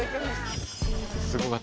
すごかった。